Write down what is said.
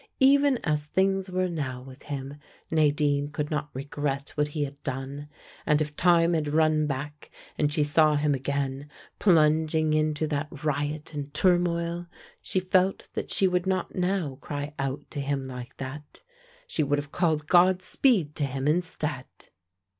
Even as things were now with him, Nadine could not regret what he had done, and if time had run back, and she saw him again plunging into that riot and turmoil, she felt that she would not now cry out to him like that. She would have called Godspeed to him instead.